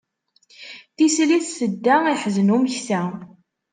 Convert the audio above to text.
Tislit tedda iḥzen umeksa.